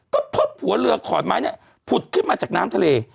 ก็พบหัวเรือขอนไม้เนี่ยผุดขึ้นมาจากน้ำทะเล